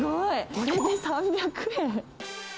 これで３００円。